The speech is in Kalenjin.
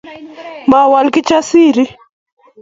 Mowol Kijjasiri